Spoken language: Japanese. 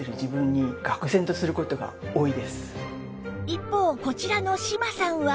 一方こちらの島さんは